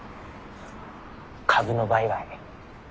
株の売買。